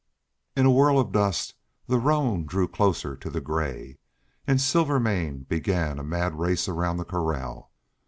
In a whirl of dust the roan drew closer to the gray, and Silvermane began a mad race around the corral.